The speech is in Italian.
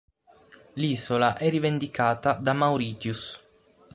L'isola è rivendicata da Mauritius.